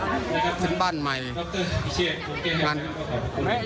หรือว่าหรือว่าหรือว่าหรือว่าหรือว่าหรือว่าหรือว่าหรือว่า